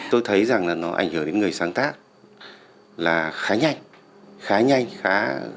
tôi thấy rằng là nó ảnh hưởng đến người sáng tác là khá nhanh khá nhanh khá